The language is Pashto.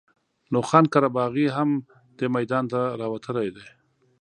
نو خان قره باغي هم دې میدان ته راوتلی دی.